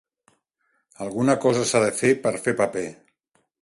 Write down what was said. Alguna cosa s'ha de fer per fer paper.